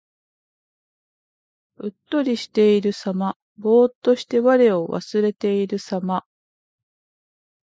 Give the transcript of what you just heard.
うっとりしているさま。ぼうっとして我を忘れているさま。